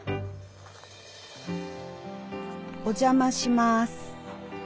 お邪魔します。